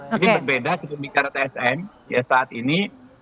jadi berbeda ke demikian tsm saat ini